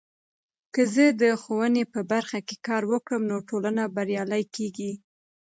که زه د ښوونې په برخه کې کار وکړم، نو ټولنه بریالۍ کیږي.